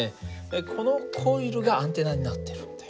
このコイルがアンテナになってるんだよ。